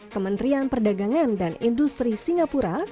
kementerian perdagangan dan industri singapura